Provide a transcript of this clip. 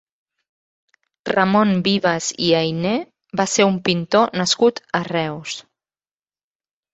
Ramon Vives i Ayné va ser un pintor nascut a Reus.